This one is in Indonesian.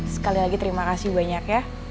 sekali lagi terima kasih banyak ya